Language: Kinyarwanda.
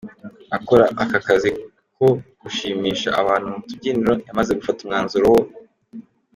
akora aka kazi ko gushimisha abantu mu tubyiniro, yamaze gufata umwanzuro wo.